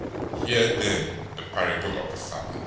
013:018 "Hear, then, the parable of the farmer.